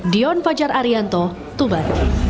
dion fajar arianto tuban